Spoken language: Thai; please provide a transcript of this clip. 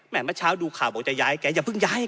เมื่อเช้าดูข่าวบอกจะย้ายแกอย่าเพิ่งย้าย